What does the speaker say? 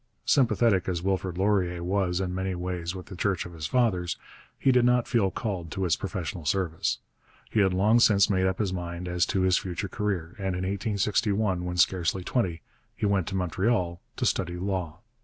Sympathetic as Wilfrid Laurier was in many ways with the Church of his fathers, he did not feel called to its professional service. He had long since made up his mind as to his future career, and in 1861, when scarcely twenty, he went to Montreal to study law.